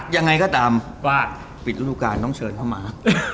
ยังไงก็ตามพลาดปิดฤดูการต้องเชิญเข้ามา